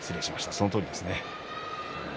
そのとおりですね。